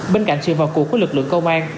bên cạnh sự vào cuộc của lực lượng công an